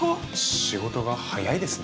仕事が早いですね。